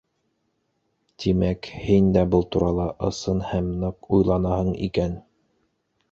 — Тимәк, һин дә был турала ысын һәм ныҡ уйланаһың икән.